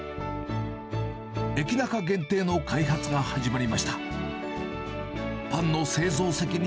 エキナカ限定の開発が始まりました。